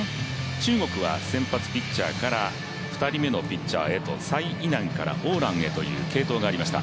中国は先発ピッチャーから２人目のピッチャーへ柴イ楠から王蘭へと継投がありました。